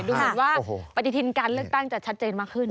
ดูเหมือนว่าปฏิทินการเลือกตั้งจะชัดเจนมากขึ้น